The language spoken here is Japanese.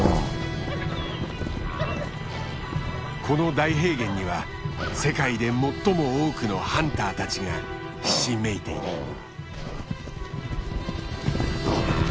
この大平原には世界で最も多くのハンターたちがひしめいている。